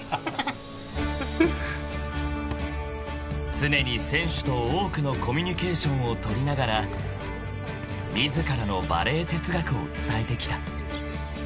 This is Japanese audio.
［常に選手と多くのコミュニケーションを取りながら自らのバレー哲学を伝えてきた］